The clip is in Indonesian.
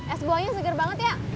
es buahnya segar banget ya